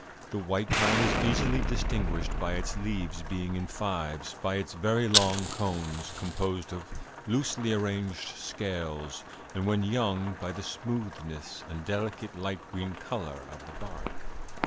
The white pine is easily distinguished by its leaves being in fives, by its very long cones, composed of loosely arranged scales, and when young by the smoothness and delicate light green color of the bark.